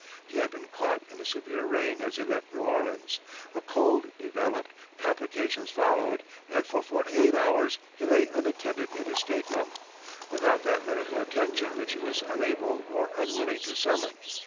He had been caught in a severe rain as he left New Orleans, a cold developed, complications followed, and for forty eight hours he lay unattended in his stateroom, without that medical attention which he was unable or unwilling to summon.